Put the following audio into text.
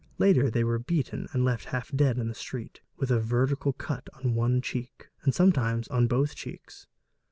later they were beaten and left half dead in the street, with a vertical cut on one cheek and sometimes on both cheeks.